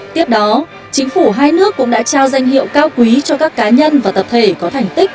tiếp đó chính phủ hai nước cũng đã trao danh hiệu cao quý cho các cá nhân và tập thể có thành tích